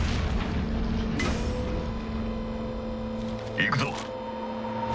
行くぞ。